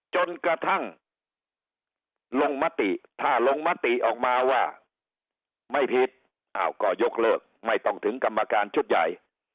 จนกระทั่งลงมติถ้าลงมติออกมาว่าไม่ผิดอ้าวก็ยกเลิกไม่ต้องถึงกรรมการชุดใหญ่